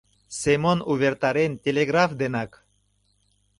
Семон увертарен телеграф денак.